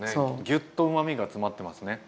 ギュッとうまみが詰まってますね。